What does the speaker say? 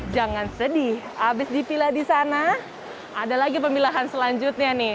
jangan sedih habis dipilah di sana ada lagi pemilahan selanjutnya nih